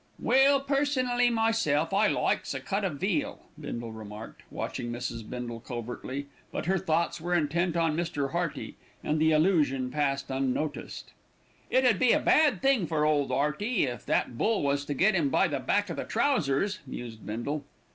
"Well, personally myself, I likes a cut o' veal," Bindle remarked, watching Mrs. Bindle covertly; but her thoughts were intent on Mr. Hearty, and the allusion passed unnoticed. "It 'ud be a bad thing for ole 'Earty, if that bull was to get 'im by the back o' the trousers," mused Bindle.